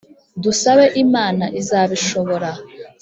dusabe imana izabishobora.